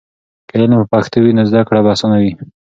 که علم په پښتو وي، نو زده کړه به اسانه وي.